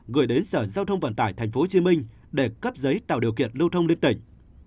gửi đến sở giao thông vận tải tp hcm để cấp giấy tạo điều kiện lưu thông liên tỉnh